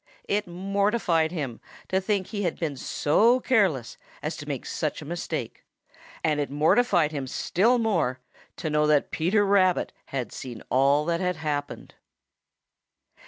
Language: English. It mortified him to think he had been so careless as to make such a mistake, and it mortified him still more to know that Peter Rabbit had seen all that had happened.